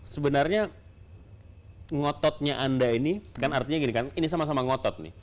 sebenarnya ngototnya anda ini artinya ini sama sama ngotot